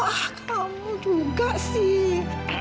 ah kamu juga sih